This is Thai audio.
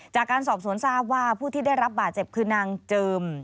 จากการสอบสวนทราบว่าผู้ที่ได้รับบาดเจ็บคือนางเจิม